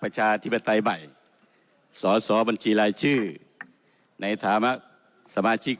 ประชาธิบดัยใหม่สสบัญชีรายชื่อในฐาหมักสมาชิก